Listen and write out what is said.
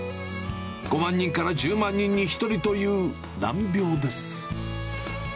５万人から１０万人に１人という難病です。